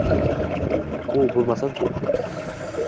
O, boʻlmasam-chi